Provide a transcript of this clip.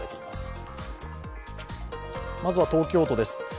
まずは東京都です。